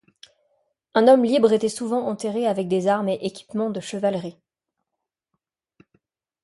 Un homme libre était souvent enterré avec des armes et équipements de chevalerie.